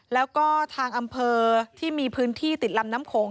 แล้วก็ทางอำเภอที่มีพื้นที่ติดลำน้ำโขง